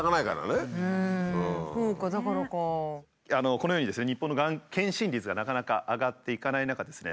このようにですね日本のがん検診率がなかなか上がっていかない中ですね